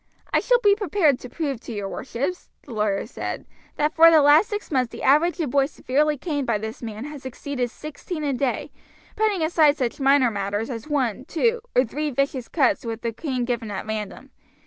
"I shall be prepared to prove to your worships," the lawyer said, "that for the last six months the average of boys severely caned by this man has exceeded sixteen a day, putting aside such minor matters as one, two, or three vicious cuts with the cane given at random.